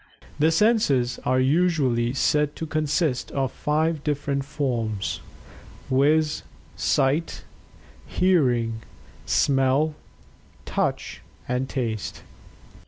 The senses are usually said to consist of five different forms, viz., sight, hearing, smell, touch, and taste.